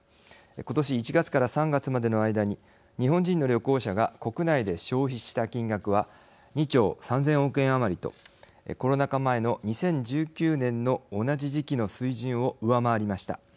今年１月から３月までの間に日本人の旅行者が国内で消費した金額は２兆３０００億円余りとコロナ禍前の２０１９年の同じ時期の水準を上回りました。